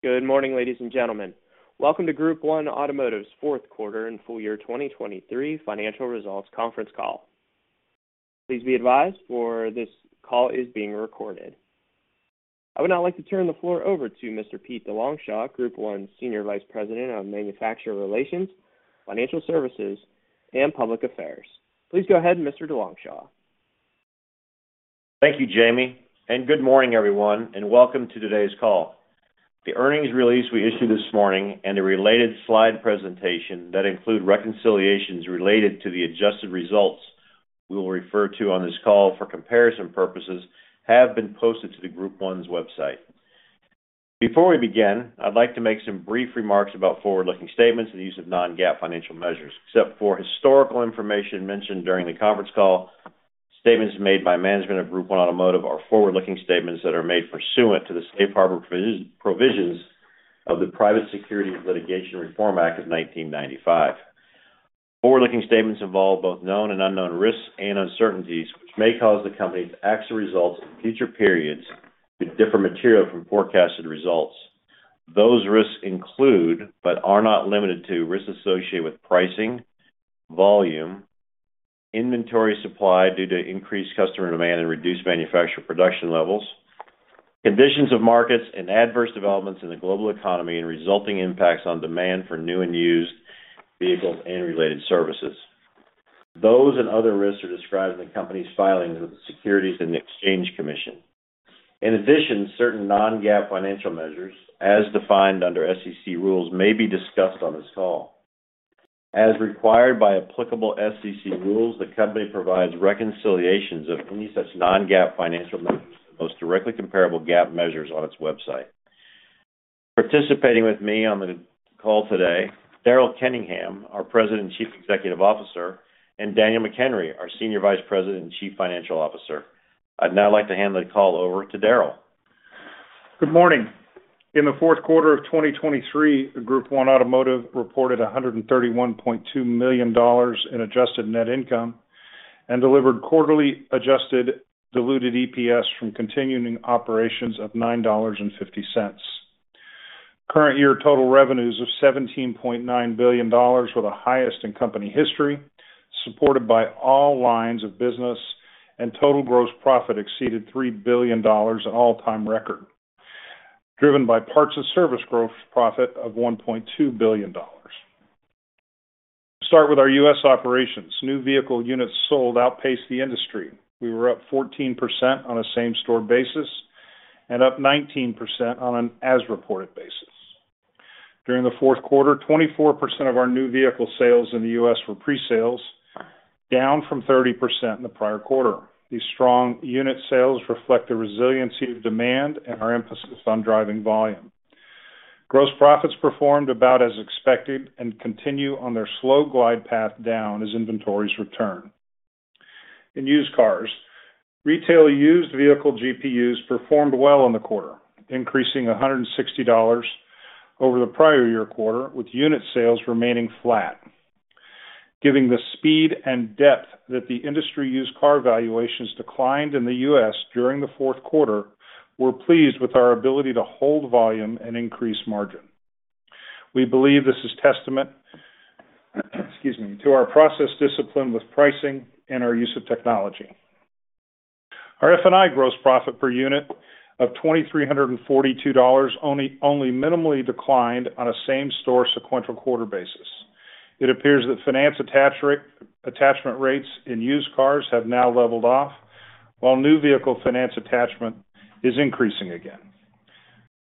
Good morning, ladies and gentlemen. Welcome to Group 1 Automotive's Q4 and full year 2023 financial results conference call. Please be advised that this call is being recorded. I would now like to turn the floor over to Mr. Pete DeLongchamps, Group 1 Senior Vice President of Manufacturer Relations, Financial Services, and Public Affairs. Please go ahead, Mr. DeLongchamps. Thank you, Jamie, and good morning, everyone, and welcome to today's call. The earnings release we issued this morning and a related slide presentation that include reconciliations related to the adjusted results we will refer to on this call for comparison purposes, have been posted to the Group 1's website. Before we begin, I'd like to make some brief remarks about forward-looking statements and the use of non-GAAP financial measures. Except for historical information mentioned during the conference call, statements made by management of Group 1 Automotive are forward-looking statements that are made pursuant to the Safe Harbor provisions of the Private Securities Litigation Reform Act of 1995. Forward-looking statements involve both known and unknown risks and uncertainties, which may cause the company's actual results in future periods to differ materially from forecasted results. Those risks include, but are not limited to, risks associated with pricing, volume, inventory supply due to increased customer demand and reduced manufacturer production levels, conditions of markets, and adverse developments in the global economy, and resulting impacts on demand for new and used vehicles and related services. Those and other risks are described in the company's filings with the Securities and Exchange Commission. In addition, certain non-GAAP financial measures, as defined under SEC rules, may be discussed on this call. As required by applicable SEC rules, the company provides reconciliations of any such non-GAAP financial measures, the most directly comparable GAAP measures on its website. Participating with me on the call today, Daryl Kenningham, our President and Chief Executive Officer, and Daniel McHenry, our Senior Vice President and Chief Financial Officer. I'd now like to hand the call over to Daryl. Good morning! In the Q4 of 2023, Group 1 Automotive reported $131.2 million in adjusted net income and delivered quarterly adjusted diluted EPS from continuing operations of $9.50. Current year total revenues of $17.9 billion were the highest in company history, supported by all lines of business, and total gross profit exceeded $3 billion, an all-time record, driven by parts and service gross profit of $1.2 billion. Start with our U.S. operations. New vehicle units sold outpaced the industry. We were up 14% on a same-store basis and up 19% on an as-reported basis. During the Q4, 24% of our new vehicle sales in the U.S. were pre-sales, down from 30% in the prior quarter. These strong unit sales reflect the resiliency of demand and our emphasis on driving volume. Gross profits performed about as expected and continue on their slow glide path down as inventories return. In used cars, retail used vehicle GPUs performed well in the quarter, increasing $160 over the prior year quarter, with unit sales remaining flat. Given the speed and depth that the industry used car valuations declined in the U.S. during the Q4, we're pleased with our ability to hold volume and increase margin. We believe this is testament, excuse me, to our process discipline with pricing and our use of technology. Our F&I gross profit per unit of $2,342 only, only minimally declined on a same-store sequential quarter basis. It appears that finance attachment rates in used cars have now leveled off, while new vehicle finance attachment is increasing again.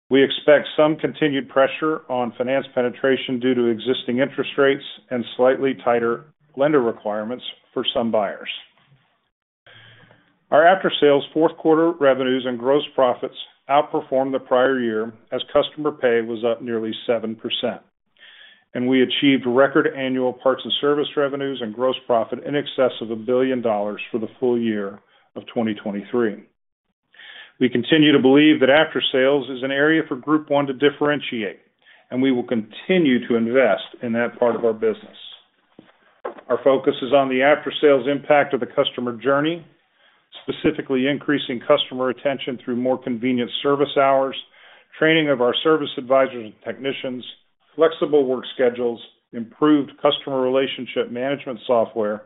We expect some continued pressure on finance penetration due to existing interest rates and slightly tighter lender requirements for some buyers. Our after-sales Q4 revenues and gross profits outperformed the prior year, as customer pay was up nearly 7%, and we achieved record annual parts and service revenues and gross profit in excess of $1 billion for the full year of 2023. We continue to believe that after-sales is an area for Group 1 to differentiate, and we will continue to invest in that part of our business. Our focus is on the after-sales impact of the customer journey, specifically increasing customer retention through more convenient service hours, training of our service advisors and technicians, flexible work schedules, improved customer relationship management software,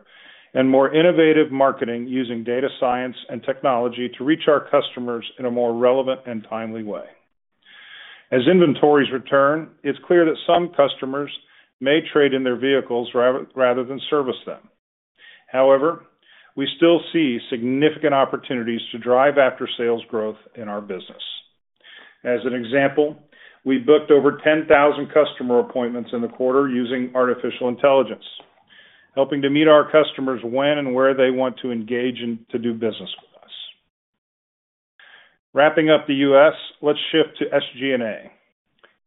and more innovative marketing using data science and technology to reach our customers in a more relevant and timely way. As inventories return, it's clear that some customers may trade in their vehicles rather than service them. However, we still see significant opportunities to drive after-sales growth in our business. As an example, we booked over 10,000 customer appointments in the quarter using artificial intelligence, helping to meet our customers when and where they want to engage and to do business with us. Wrapping up the U.S., let's shift to SG&A.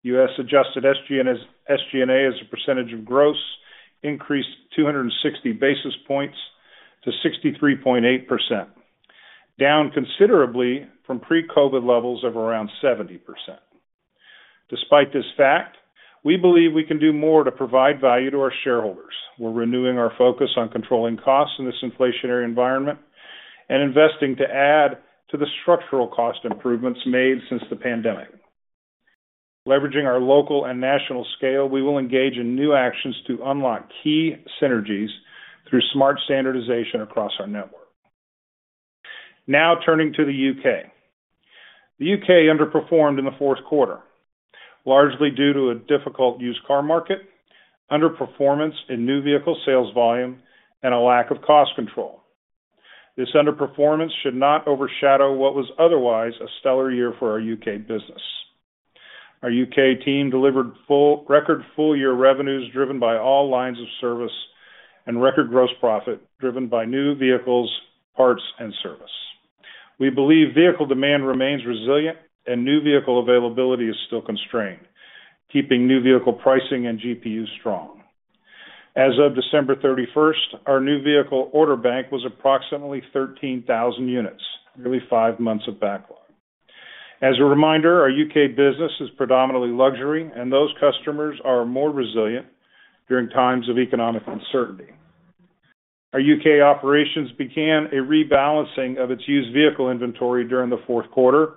U.S. adjusted SG&A, as a percentage of gross, increased 260 basis points to 63.8%, down considerably from pre-COVID levels of around 70%. Despite this fact, we believe we can do more to provide value to our shareholders. We're renewing our focus on controlling costs in this inflationary environment.... and investing to add to the structural cost improvements made since the pandemic. Leveraging our local and national scale, we will engage in new actions to unlock key synergies through smart standardization across our network. Now turning to the U.K. The U.K. underperformed in the Q4, largely due to a difficult used car market, underperformance in new vehicle sales volume, and a lack of cost control. This underperformance should not overshadow what was otherwise a stellar year for our U.K. business. Our UK team delivered record full-year revenues, driven by all lines of service and record gross profit, driven by new vehicles, parts, and service. We believe vehicle demand remains resilient and new vehicle availability is still constrained, keeping new vehicle pricing and GPU strong. As of December 31, our new vehicle order bank was approximately 13,000 units, nearly five months of backlog. As a reminder, our UK business is predominantly luxury, and those customers are more resilient during times of economic uncertainty. Our UK operations began a rebalancing of its used vehicle inventory during the Q4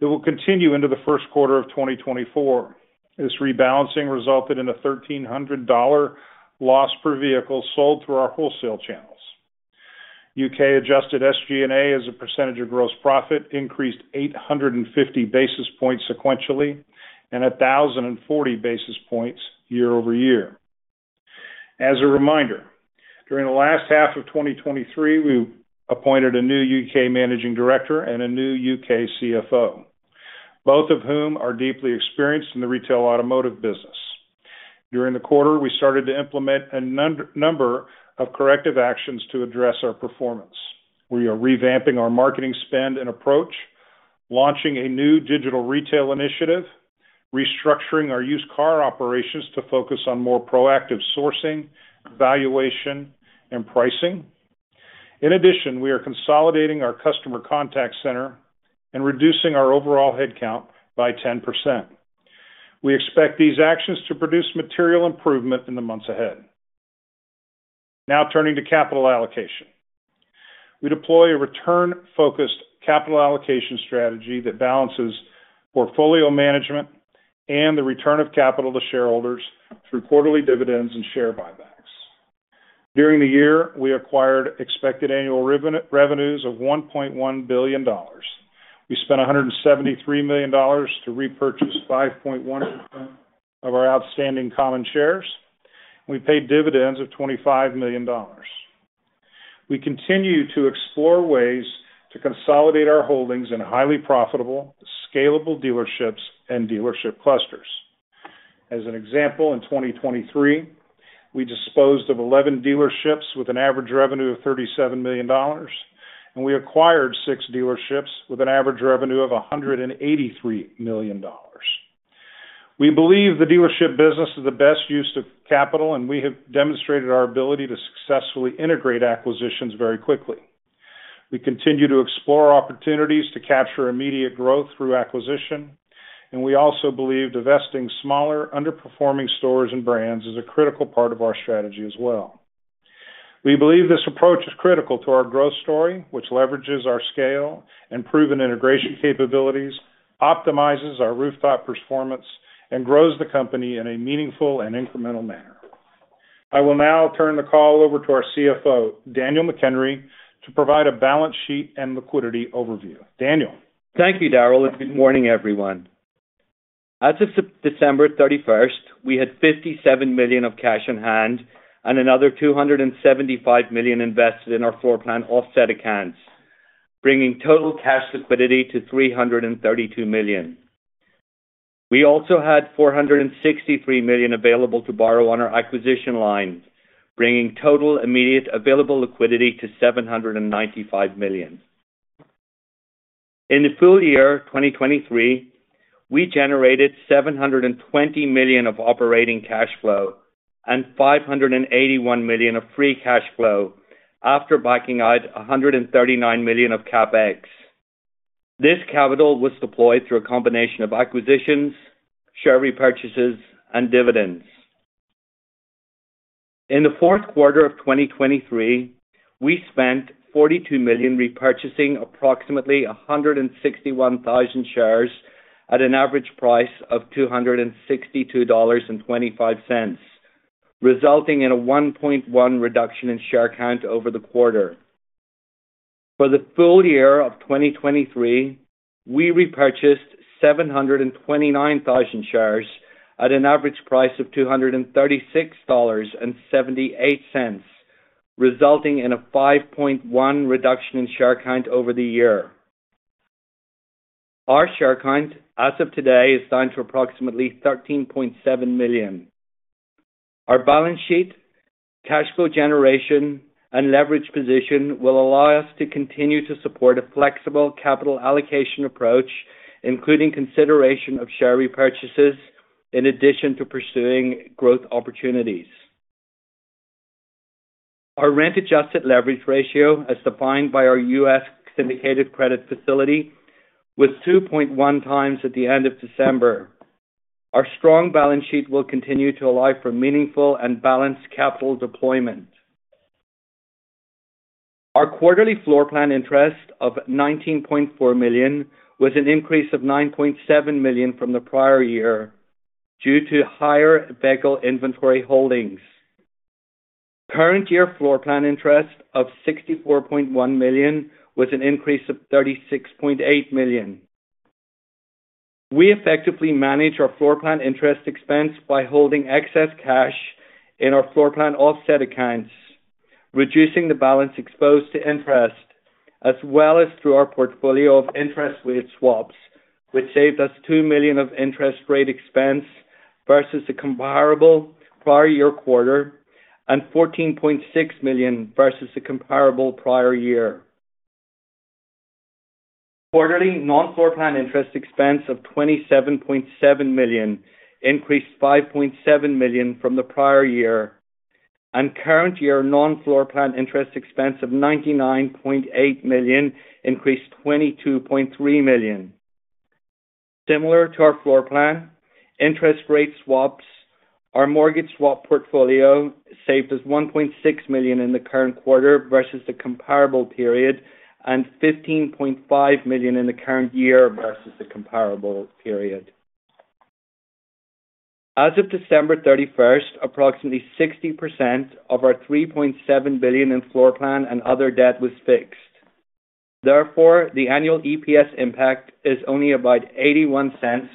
that will continue into the Q1 of 2024. This rebalancing resulted in a $1,300 loss per vehicle sold through our wholesale channels. UK adjusted SG&A, as a percentage of gross profit, increased 850 basis points sequentially and 1,040 basis points year-over-year. As a reminder, during the last half of 2023, we appointed a new UK managing director and a new UK CFO, both of whom are deeply experienced in the retail automotive business. During the quarter, we started to implement a number of corrective actions to address our performance. We are revamping our marketing spend and approach, launching a new digital retail initiative, restructuring our used car operations to focus on more proactive sourcing, valuation, and pricing. In addition, we are consolidating our customer contact center and reducing our overall headcount by 10%. We expect these actions to produce material improvement in the months ahead. Now turning to capital allocation. We deploy a return-focused capital allocation strategy that balances portfolio management and the return of capital to shareholders through quarterly dividends and share buybacks. During the year, we acquired expected annual revenues of $1.1 billion. We spent $173 million to repurchase 5.1% of our outstanding common shares. We paid dividends of $25 million. We continue to explore ways to consolidate our holdings in highly profitable, scalable dealerships and dealership clusters. As an example, in 2023, we disposed of 11 dealerships with an average revenue of $37 million, and we acquired six dealerships with an average revenue of $183 million. We believe the dealership business is the best use of capital, and we have demonstrated our ability to successfully integrate acquisitions very quickly. We continue to explore opportunities to capture immediate growth through acquisition, and we also believe divesting smaller, underperforming stores and brands is a critical part of our strategy as well. We believe this approach is critical to our growth story, which leverages our scale and proven integration capabilities, optimizes our rooftop performance, and grows the company in a meaningful and incremental manner. I will now turn the call over to our CFO, Daniel McHenry, to provide a balance sheet and liquidity overview. Daniel? Thank you, Daryl, and good morning, everyone. As of December 31, we had $57 million of cash on hand and another $275 million invested in our floorplan offset accounts, bringing total cash liquidity to $332 million. We also had $463 million available to borrow on our acquisition lines, bringing total immediate available liquidity to $795 million. In the full year 2023, we generated $720 million of operating cash flow and $581 million of free cash flow after backing out $139 million of CapEx. This capital was deployed through a combination of acquisitions, share repurchases, and dividends. In the Q4 of 2023, we spent $42 million repurchasing approximately 161,000 shares at an average price of $262.25, resulting in a 1.1 reduction in share count over the quarter. For the full year of 2023, we repurchased 729,000 shares at an average price of $236.78, resulting in a 5.1 reduction in share count over the year. Our share count, as of today, is down to approximately 13.7 million. Our balance sheet, cash flow generation, and leverage position will allow us to continue to support a flexible capital allocation approach, including consideration of share repurchases in addition to pursuing growth opportunities. Our rent-adjusted leverage ratio, as defined by our U.S. syndicated credit facility, was 2.1 times at the end of December. Our strong balance sheet will continue to allow for meaningful and balanced capital deployment. Our quarterly floor plan interest of $19.4 million was an increase of $9.7 million from the prior year, due to higher vehicle inventory holdings. Current year floor plan interest of $64.1 million was an increase of $36.8 million. We effectively manage our floor plan interest expense by holding excess cash in our floor plan offset accounts, reducing the balance exposed to interest, as well as through our portfolio of interest rate swaps, which saved us $2 million of interest rate expense versus the comparable prior year quarter and $14.6 million versus the comparable prior year. Quarterly non-floor plan interest expense of $27.7 million increased $5.7 million from the prior year, and current year non-floor plan interest expense of $99.8 million increased $22.3 million. Similar to our floor plan, interest rate swaps, our mortgage swap portfolio saved us $1.6 million in the current quarter versus the comparable period, and $15.5 million in the current year versus the comparable period. As of December 31st, approximately 60% of our $3.7 billion in floor plan and other debt was fixed. Therefore, the annual EPS impact is only about $0.81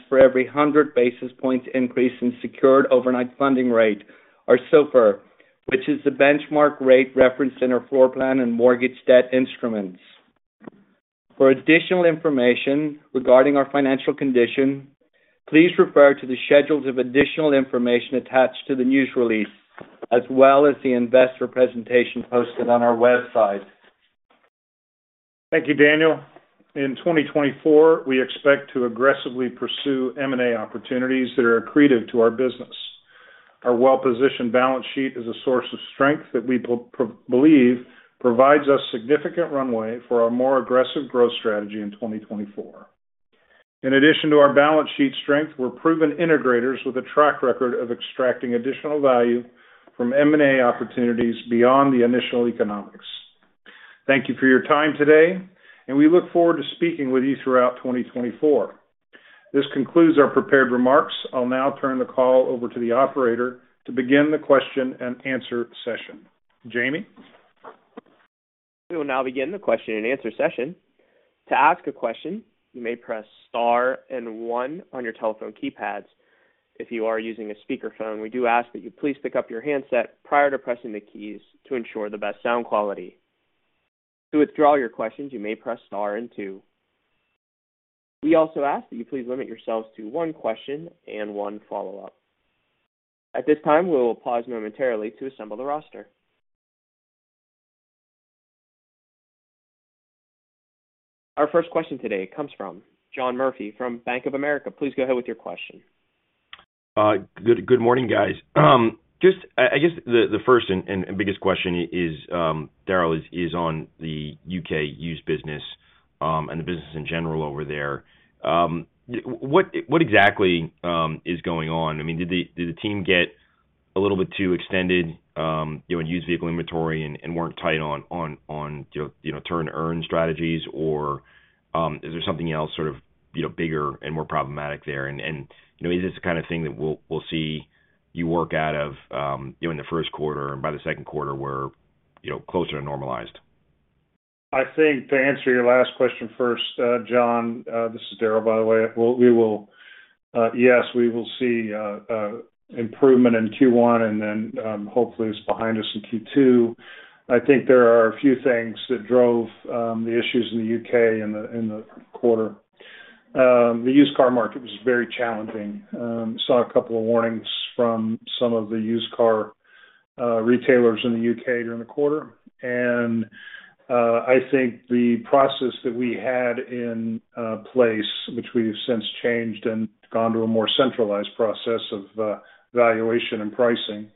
for every 100 basis points increase in Secured Overnight Financing Rate, or SOFR, which is the benchmark rate referenced in our floor plan and mortgage debt instruments. For additional information regarding our financial condition, please refer to the schedules of additional information attached to the news release, as well as the investor presentation posted on our website. Thank you, Daniel. In 2024, we expect to aggressively pursue M&A opportunities that are accretive to our business. Our well-positioned balance sheet is a source of strength that we believe provides us significant runway for our more aggressive growth strategy in 2024. In addition to our balance sheet strength, we're proven integrators with a track record of extracting additional value from M&A opportunities beyond the initial economics. Thank you for your time today, and we look forward to speaking with you throughout 2024. This concludes our prepared remarks. I'll now turn the call over to the operator to begin the question and answer session. Jamie? We will now begin the question and answer session. To ask a question, you may press star and one on your telephone keypads. If you are using a speakerphone, we do ask that you please pick up your handset prior to pressing the keys to ensure the best sound quality. To withdraw your questions, you may press star and two. We also ask that you please limit yourselves to one question and one follow-up. At this time, we will pause momentarily to assemble the roster. Our first question today comes from John Murphy from Bank of America. Please go ahead with your question. Good, good morning, guys. Just, I guess the first and biggest question is, Daryl, is on the UK used business and the business in general over there. What exactly is going on? I mean, did the team get a little bit too extended, you know, in used vehicle inventory and weren't tight on, you know, turn-to-earn strategies? Or, is there something else sort of, you know, bigger and more problematic there? And, you know, is this the kind of thing that we'll see you work out of, you know, in the Q1 and by the Q2, we're, you know, closer to normalized? I think to answer your last question first, John, this is Daryl, by the way. We will, yes, we will see improvement in Q1 and then, hopefully it's behind us in Q2. I think there are a few things that drove the issues in the U.K. in the quarter. The used car market was very challenging. Saw a couple of warnings from some of the used car retailers in the U.K. during the quarter. And, I think the process that we had in place, which we've since changed and gone to a more centralized process of valuation and pricing,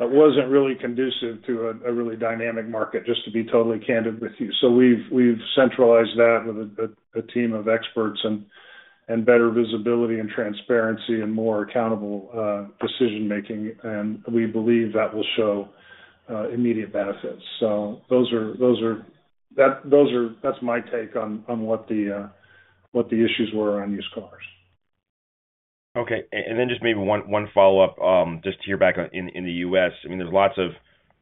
wasn't really conducive to a really dynamic market, just to be totally candid with you. So we've centralized that with a team of experts and better visibility and transparency and more accountable decision-making, and we believe that will show immediate benefits. So those are... that's my take on what the issues were around used cars. Okay. Then just maybe one follow-up, just to hear back on in the U.S. I mean, there's lots of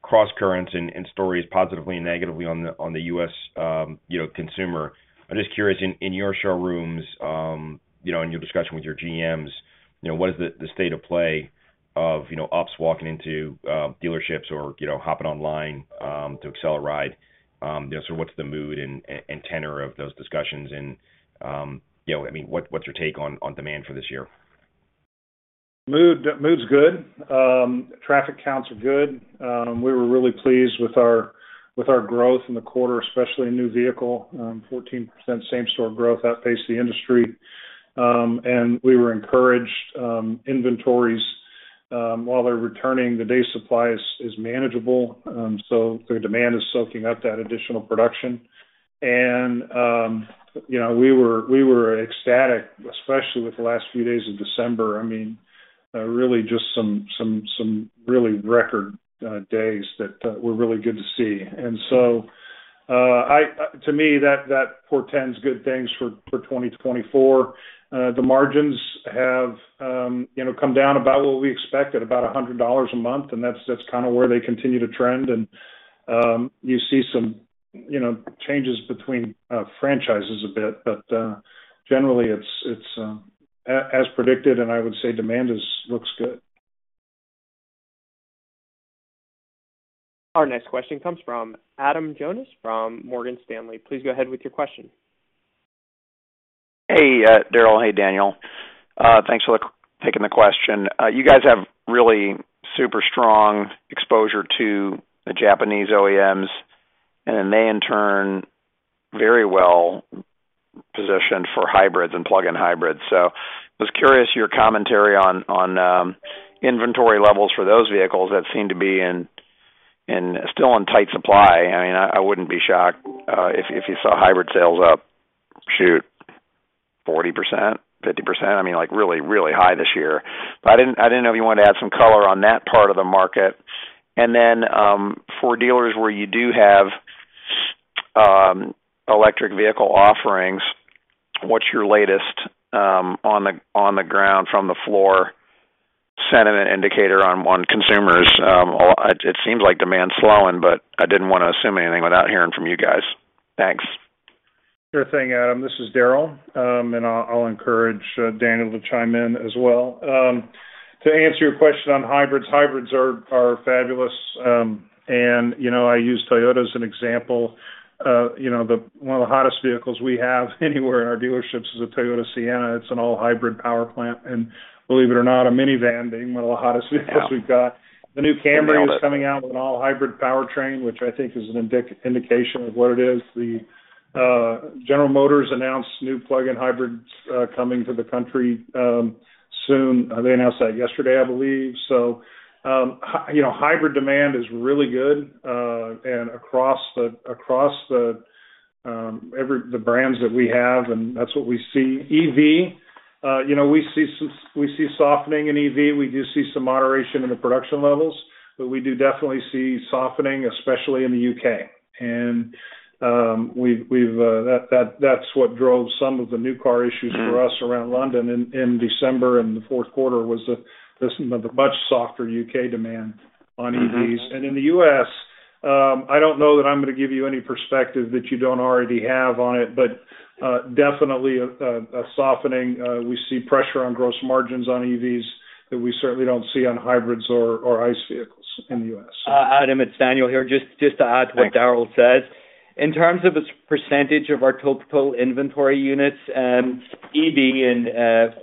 crosscurrents and stories, positively and negatively on the, on the U.S., you know, consumer. I'm just curious, in your showrooms, you know, in your discussion with your GMs, you know, what is the state of play of, you know, ops walking into dealerships or, you know, hopping online to accelerate? You know, sort of what's the mood and tenor of those discussions? And, you know, I mean, what's your take on demand for this year? Mood, mood's good. Traffic counts are good. We were really pleased with our growth in the quarter, especially in new vehicle. 14% same store growth outpaced the industry. And we were encouraged, while they're returning, the day supply is manageable. So their demand is soaking up that additional production. And, you know, we were ecstatic, especially with the last few days of December. I mean, really just some really record days that were really good to see. And so, to me, that portends good things for 2024. The margins have, you know, come down about what we expected, about $100 a month, and that's kind of where they continue to trend. You see some, you know, changes between franchises a bit. Generally, it's as predicted, and I would say demand is looks good. Our next question comes from Adam Jonas, from Morgan Stanley. Please go ahead with your question. Hey, Daryl. Hey, Daniel. Thanks for taking the question. You guys have really super strong exposure to the Japanese OEMs, and they, in turn, very well-positioned for hybrids and plug-in hybrids. So I was curious your commentary on inventory levels for those vehicles that seem to be still in tight supply. I mean, I wouldn't be shocked if you saw hybrid sales up, shoot, 40%, 50%, I mean, like, really, really high this year. But I didn't know if you wanted to add some color on that part of the market. And then, for dealers where you do have electric vehicle offerings, what's your latest on the ground from the floor sentiment indicator on consumers? It seems like demand's slowing, but I didn't wanna assume anything without hearing from you guys. Thanks. Sure thing, Adam. This is Daryl, and I'll encourage Daniel to chime in as well. To answer your question on hybrids, hybrids are fabulous. You know, I use Toyota as an example. You know, the one of the hottest vehicles we have anywhere in our dealerships is a Toyota Sienna. It's an all-hybrid power plant, and believe it or not, a minivan being one of the hottest vehicles we've got. Yeah. The new Camry is coming out with an all-hybrid powertrain, which I think is an indication of what it is. The General Motors announced new plug-in hybrids coming to the country soon. They announced that yesterday, I believe. So, you know, hybrid demand is really good, and across every brand that we have, and that's what we see. EV, you know, we see some softening in EV. We do see some moderation in the production levels, but we do definitely see softening, especially in the U.K. And, that's what drove some of the new car issues for us around London in December, and the Q4 was the much softer U.K. demand on EVs. Mm-hmm. In the U.S., I don't know that I'm gonna give you any perspective that you don't already have on it, but definitely a softening. We see pressure on gross margins on EVs that we certainly don't see on hybrids or ICE vehicles in the U.S. Adam, it's Daniel here. Just to add to what Daryl said. Thanks. In terms of its percentage of our total inventory units, EV in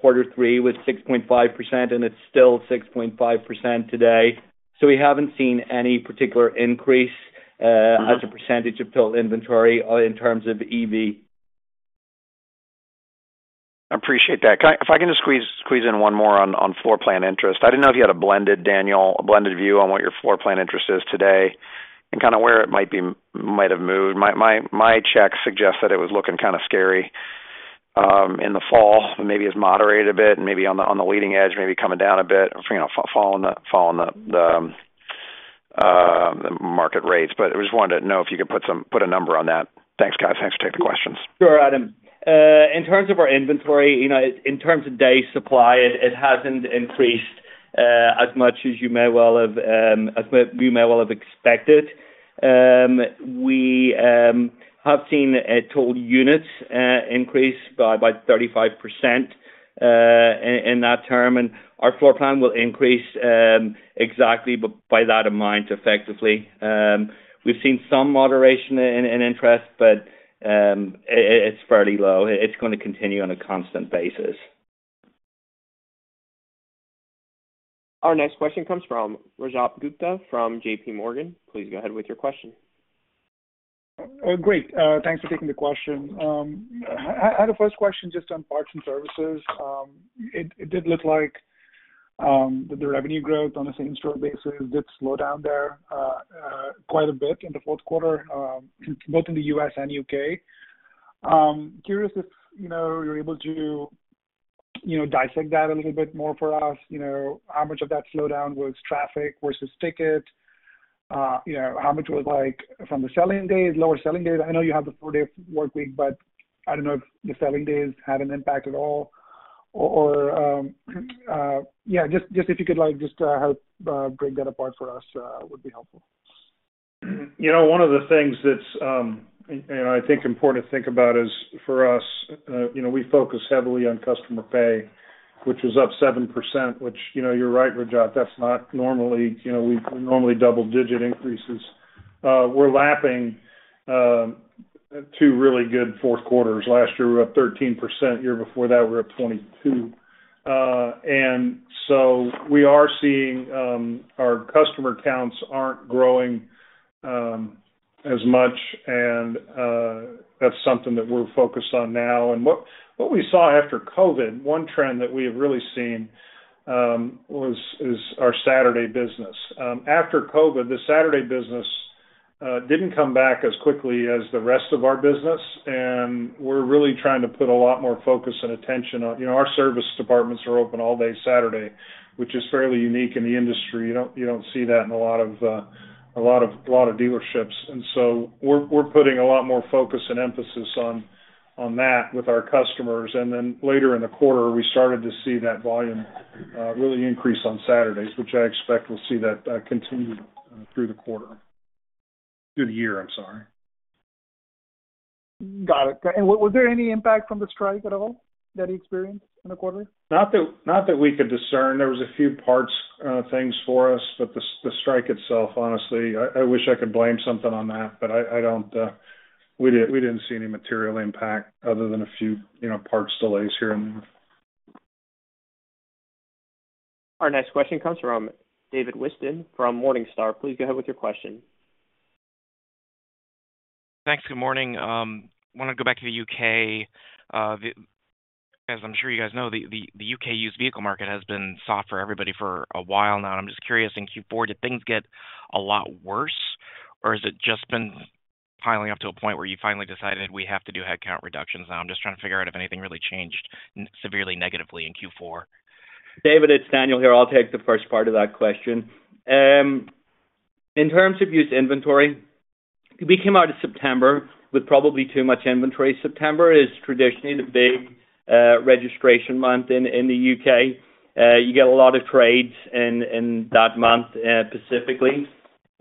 quarter three was 6.5%, and it's still 6.5% today. So we haven't seen any particular increase. Mm-hmm... as a percentage of total inventory in terms of EV. I appreciate that. Can I—if I can just squeeze in one more on floor plan interest. I didn't know if you had a blended view, Daniel, on what your floor plan interest is today and kind of where it might have moved. My check suggests that it was looking kind of scary in the fall, but maybe it's moderated a bit, and maybe on the leading edge, maybe coming down a bit, you know, following the market rates. But I just wanted to know if you could put a number on that. Thanks, guys. Thanks for taking the questions. Sure, Adam. In terms of our inventory, you know, in terms of day supply, it hasn't increased as much as you may well have, as well, you may well have expected. We have seen total units increase by about 35% in that term, and our floor plan will increase exactly by that amount, effectively. We've seen some moderation in interest, but it's fairly low. It's gonna continue on a constant basis. Our next question comes from Rajat Gupta from JPMorgan. Please go ahead with your question. Great. Thanks for taking the question. I had a first question just on parts and services. It did look like that the revenue growth on a same-store basis did slow down there quite a bit in the Q4, both in the U.S. and U.K. Curious if, you know, you're able to, you know, dissect that a little bit more for us. You know, how much of that slowdown was traffic versus ticket? You know, how much was, like, from the selling days, lower selling days? I know you have the four-day workweek, but I don't know if the selling days had an impact at all. Or, yeah, just if you could, like, help break that apart for us, would be helpful. You know, one of the things that's, and I think important to think about is, for us, you know, we focus heavily on customer pay, which is up 7%, which, you know, you're right, Rajat. That's not normally... You know, we normally double-digit increases. We're lapping two really good Q4. Last year, we were up 13%. The year before that, we were up 22%. And so we are seeing, our customer counts aren't growing as much, and that's something that we're focused on now. And what we saw after COVID, one trend that we have really seen, was—is our Saturday business. After COVID, the Saturday business didn't come back as quickly as the rest of our business, and we're really trying to put a lot more focus and attention on, you know, our service departments are open all day Saturday, which is fairly unique in the industry. You don't see that in a lot of dealerships. And so we're putting a lot more focus and emphasis on that with our customers. And then later in the quarter, we started to see that volume really increase on Saturdays, which I expect we'll see that continue through the quarter. Through the year, I'm sorry. Got it. And was there any impact from the strike at all, that you experienced in the quarter? Not that, not that we could discern. There was a few parts, things for us, but the strike itself, honestly, I wish I could blame something on that, but I don't... We didn't see any material impact other than a few, you know, parts delays here and there. Our next question comes from David Whiston from Morningstar. Please go ahead with your question. Thanks. Good morning. I wanna go back to the UK. As I'm sure you guys know, the UK used vehicle market has been soft for everybody for a while now. I'm just curious, in Q4, did things get a lot worse, or has it just been piling up to a point where you finally decided we have to do headcount reductions now? I'm just trying to figure out if anything really changed severely negatively in Q4. David, it's Daniel here. I'll take the first part of that question. In terms of used inventory, we came out of September with probably too much inventory. September is traditionally the big registration month in the U.K. You get a lot of trades in that month, specifically.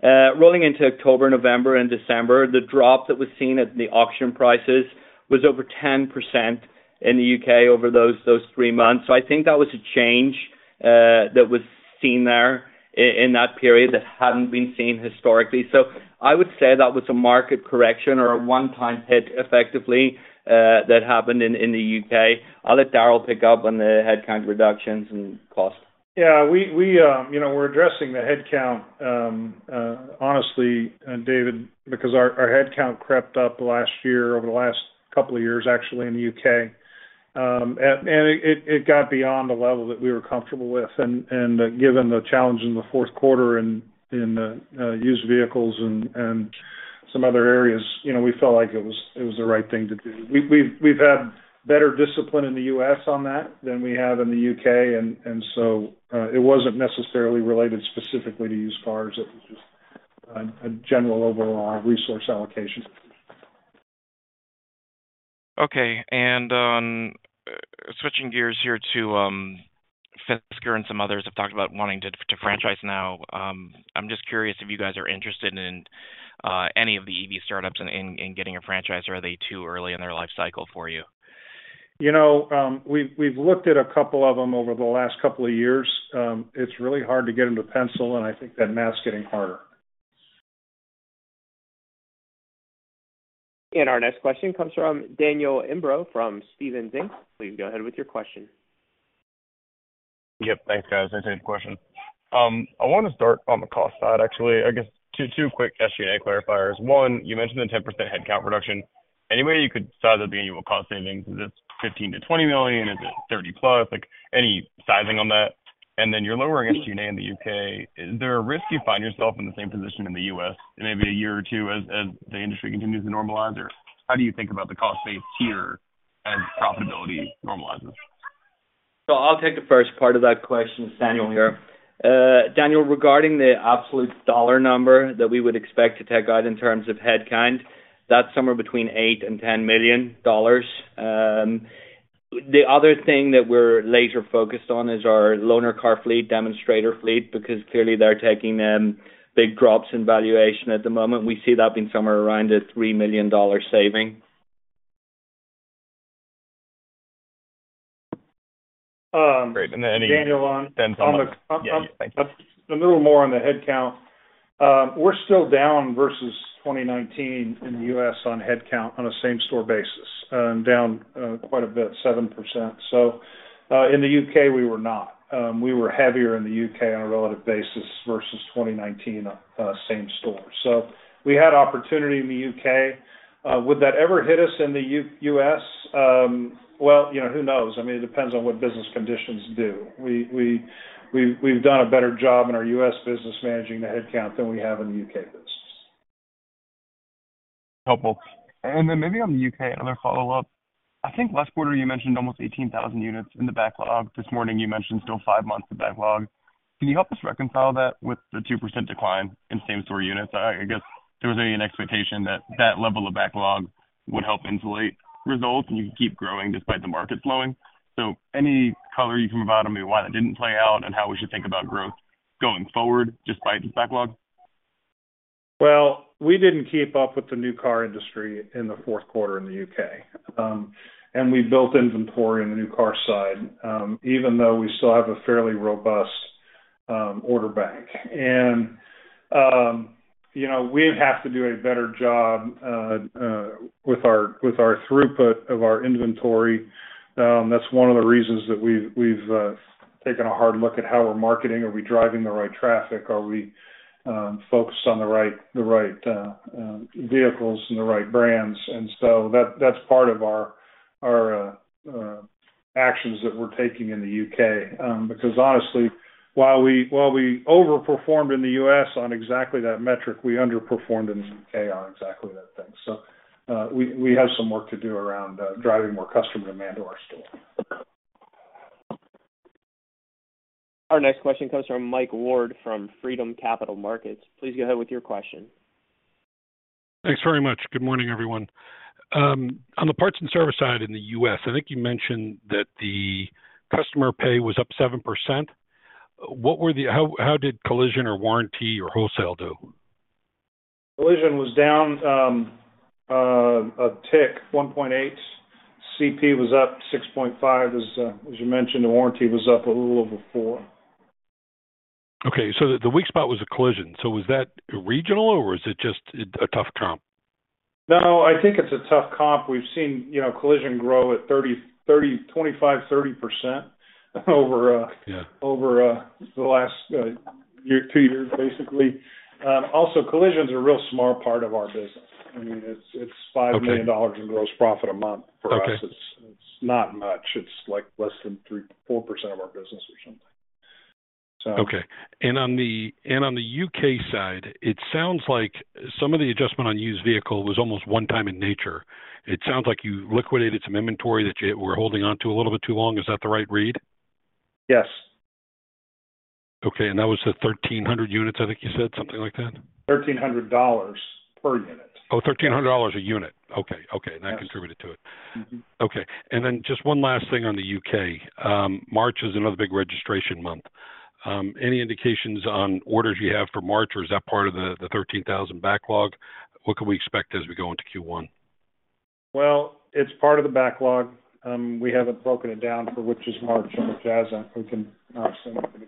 Rolling into October, November, and December, the drop that was seen at the auction prices was over 10% in the U.K. over those three months. So I think that was a change that was seen there in that period that hadn't been seen historically. So I would say that was a market correction or a one-time hit, effectively, that happened in the U.K. I'll let Daryl pick up on the headcount reductions and costs. Yeah, you know, we're addressing the headcount, honestly, and David, because our headcount crept up last year, over the last couple of years, actually, in the U.K. And it got beyond the level that we were comfortable with. And given the challenge in the Q4 in the used vehicles and some other areas, you know, we felt like it was the right thing to do. We've had better discipline in the U.S. on that than we have in the U.K., and so it wasn't necessarily related specifically to used cars. It was just a general overall resource allocation. Okay. And on switching gears here to Fisker and some others have talked about wanting to franchise now. I'm just curious if you guys are interested in any of the EV startups in getting a franchise, or are they too early in their life cycle for you? You know, we've looked at a couple of them over the last couple of years. It's really hard to get them to pencil, and I think that now it's getting harder. Our next question comes from Daniel Imbro from Stephens Inc. Please go ahead with your question. Yep. Thanks, guys. Thanks for the question. I want to start on the cost side, actually. I guess two quick SG&A clarifiers. One, you mentioned the 10% headcount reduction. Any way you could size up the annual cost savings, is it $15-$20 million? Is it 30+? Like, any sizing on that. And then you're lowering SG&A in the U.K. Is there a risk you find yourself in the same position in the U.S. in maybe a year or two as the industry continues to normalize? Or how do you think about the cost base here as profitability normalizes? So I'll take the first part of that question. It's Daniel here. Daniel, regarding the absolute dollar number that we would expect to take out in terms of headcount, that's somewhere between $8 million and $10 million. The other thing that we're laser focused on is our loaner car fleet, demonstrator fleet, because clearly they're taking big drops in valuation at the moment. We see that being somewhere around a $3 million saving. Great. And then any- Daniel, on the... Yeah, thank you. A little more on the headcount. We're still down versus 2019 in the U.S. on headcount on a same-store basis, and down quite a bit, 7%. So, in the U.K., we were not. We were heavier in the U.K. on a relative basis versus 2019, same store. So we had opportunity in the U.K. Would that ever hit us in the U.S.? Well, you know, who knows? I mean, it depends on what business conditions do. We've done a better job in our U.S. business managing the headcount than we have in the U.K. business. Helpful. And then maybe on the U.K., another follow-up. I think last quarter you mentioned almost 18,000 units in the backlog. This morning, you mentioned still five months of backlog. Can you help us reconcile that with the 2% decline in same-store units? I, I guess there was only an expectation that that level of backlog would help insulate results, and you keep growing despite the market slowing. So any color you can provide on why that didn't play out and how we should think about growth going forward, just by the backlog? Well, we didn't keep up with the new car industry in the Q4 in the U.K. We built inventory in the new car side, even though we still have a fairly robust order bank. You know, we have to do a better job with our throughput of our inventory. That's one of the reasons that we've taken a hard look at how we're marketing. Are we driving the right traffic? Are we focused on the right vehicles and the right brands? So that's part of our actions that we're taking in the U.K. Because honestly, while we overperformed in the U.S. on exactly that metric, we underperformed in the U.K. on exactly that thing. So, we have some work to do around driving more customer demand to our store. Our next question comes from Mike Ward from Freedom Capital Markets. Please go ahead with your question. Thanks very much. Good morning, everyone. On the parts and service side in the U.S., I think you mentioned that the customer pay was up 7%. How did collision or warranty or wholesale do? Collision was down a tick, 1.8. CP was up 6.5, as you mentioned, the warranty was up a little over 4. Okay, so the weak spot was a collision. So was that regional, or is it just a tough comp? No, I think it's a tough comp. We've seen, you know, collision grow at 30, 30, 25, 30% over, Yeah... over the last year, two years, basically. Also, collisions are a real small part of our business. I mean, it's, it's- Okay... $5 million in gross profit a month for us. Okay. It's not much. It's like less than 3%-4% of our business or something, so. Okay. On the U.K. side, it sounds like some of the adjustment on used vehicle was almost one time in nature. It sounds like you liquidated some inventory that you were holding on to a little bit too long. Is that the right read? Yes. Okay. And that was the 1,300 units, I think you said? Something like that. $1,300 per unit. Oh, $1,300 a unit. Okay. Okay. Yes. That contributed to it. Mm-hmm. Okay. And then just one last thing on the U.K. March is another big registration month. Any indications on orders you have for March, or is that part of the 13,000 backlog? What can we expect as we go into Q1? Well, it's part of the backlog. We haven't broken it down for which is March and which hasn't. We can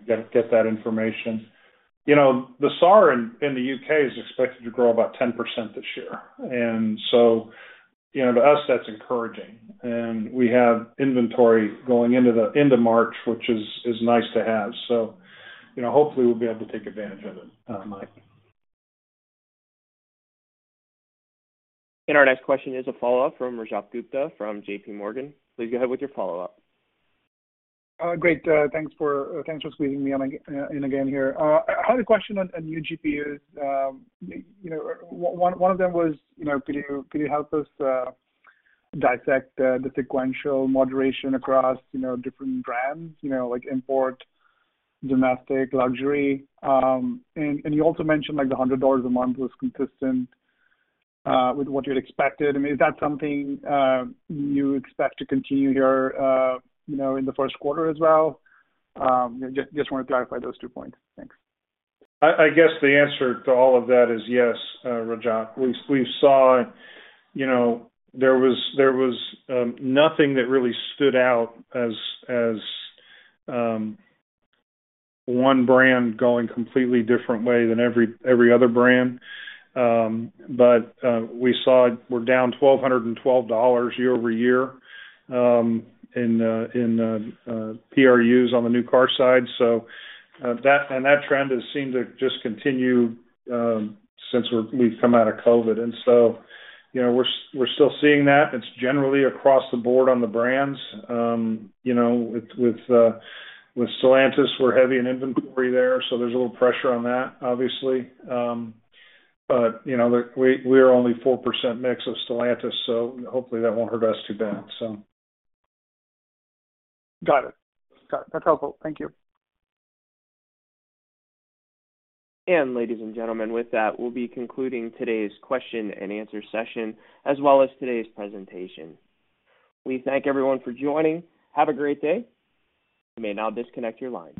get that information. You know, the SAAR in the U.K. is expected to grow about 10% this year. And so, you know, to us, that's encouraging. And we have inventory going into the end of March, which is nice to have. So, you know, hopefully, we'll be able to take advantage of it, Mike. And our next question is a follow-up from Rajat Gupta from JP Morgan. Please go ahead with your follow-up. Great. Thanks for squeezing me in again here. I had a question on new GPUs. You know, one of them was, you know, could you help us dissect the sequential moderation across, you know, different brands? You know, like import, domestic, luxury. And you also mentioned, like, the $100 a month was consistent with what you'd expected. I mean, is that something you expect to continue here, you know, in the Q1 as well? Just want to clarify those two points. Thanks. I guess the answer to all of that is yes, Rajat. We saw, you know, there was nothing that really stood out as one brand going completely different way than every other brand. But we saw we're down $1,212 year over year in PRUs on the new car side. So that and that trend has seemed to just continue since we've come out of COVID. And so, you know, we're still seeing that. It's generally across the board on the brands. You know, with Stellantis, we're heavy in inventory there, so there's a little pressure on that, obviously. But you know, we are only 4% mix of Stellantis, so hopefully, that won't hurt us too bad, so. Got it. Got it. That's helpful. Thank you. Ladies and gentlemen, with that, we'll be concluding today's question and answer session, as well as today's presentation. We thank everyone for joining. Have a great day. You may now disconnect your lines.